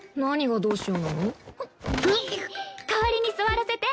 代わりに座らせて。